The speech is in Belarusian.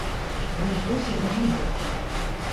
Ён просіць на гарбату.